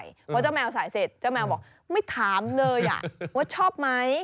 เพราะเจ้าแมวสายเสร็จเจ้าแมวบอกไม่ถามเลยว่าชอบไหม